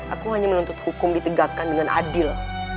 aku hanya menuntut hukum ditegakkan dengan adil